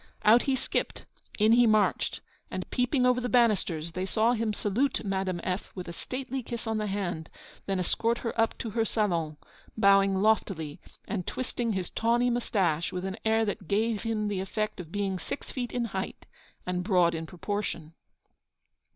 Out he skipped; in he marched; and, peeping over the banisters, they saw him salute Madame F. with a stately kiss on the hand, then escort her up to her salon, bowing loftily, and twisting his tawny moustache with an air that gave him the effect of being six feet in height, and broad in proportion.